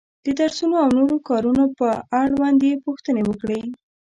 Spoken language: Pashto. د درسونو او نورو کارونو په اړوند یې پوښتنې وکړې.